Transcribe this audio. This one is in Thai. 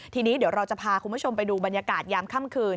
ทีนี้เดี๋ยวเราจะพาคุณผู้ชมไปดูบรรยากาศยามค่ำคืน